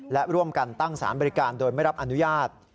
และร่วมกันตั้งสารบริการโดยไม่รับอนุญาต